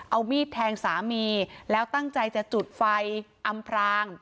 เอามีดแทงสามีแล้วตั้งใจจะจุดไฟอำพราง